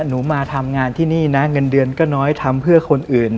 หนูมาทำงานที่นี่นะเงินเดือนก็น้อยทำเพื่อคนอื่น